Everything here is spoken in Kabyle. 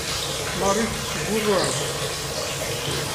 Marie tettgurruɛ-d.